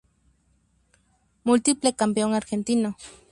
Múltiple Campeón Argentino.